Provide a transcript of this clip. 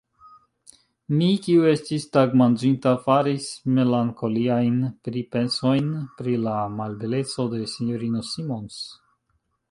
Mi, kiu estis tagmanĝinta, faris melankoliajn pripensojn pri la malbeleco de S-ino Simons.